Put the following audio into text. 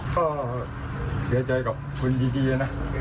ก็เสียใจกับคนดีนะ